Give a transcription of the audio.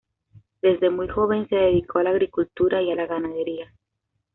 Desde muy joven, se dedicó a la agricultura y a la ganadería.